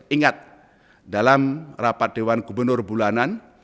ingat dalam rapat dewan gubernur bulanan